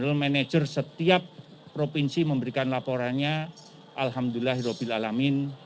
menurut manajer setiap provinsi memberikan laporannya alhamdulillah